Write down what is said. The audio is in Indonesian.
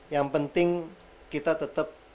yang penting kita tetep